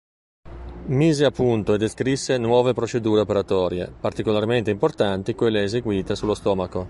Mise a punto e descrisse nuove procedure operatorie; particolarmente importanti quelle eseguite sullo stomaco.